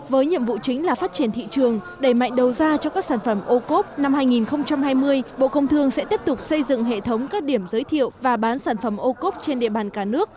với nhiệm vụ chính là phát triển thị trường đẩy mạnh đầu ra cho các sản phẩm ô cốp năm hai nghìn hai mươi bộ công thương sẽ tiếp tục xây dựng hệ thống các điểm giới thiệu và bán sản phẩm ô cốp trên địa bàn cả nước